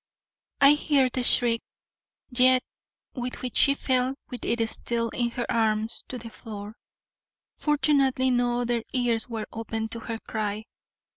I hear the shriek yet with which she fell with it still in her arms to the floor. Fortunately no other ears were open to her cry.